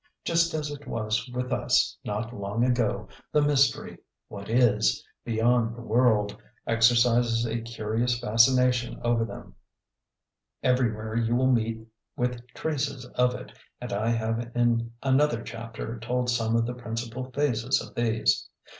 Just as it was with us not long ago, the mystery, what is beyond the world, exercises a curious fascination over them. Everywhere you will meet with traces of it, and I have in another chapter told some of the principal phases of these.